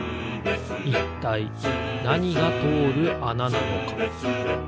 いったいなにがとおるあななのか？